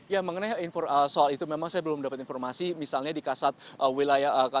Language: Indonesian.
ya mengenai soal itu memang saya belum mendapat informasi misalnya di kasat wilayah